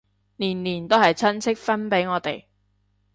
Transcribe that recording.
年年都係親戚分俾我哋